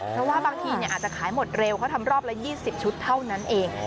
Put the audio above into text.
เพราะว่าบางทีอาจจะขายหมดเร็วเขาทำรอบละ๒๐ชุดเท่านั้นเอง